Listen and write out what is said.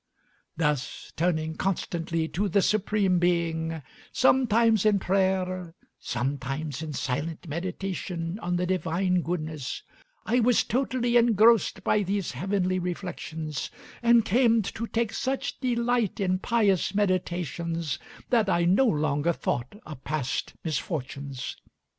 Thus turning constantly to the Supreme Being, sometimes in prayer, sometimes in silent meditation on the divine goodness, I was totally engrossed by these heavenly reflections, and came to take such delight in pious meditations that I no longer thought of past misfortunes.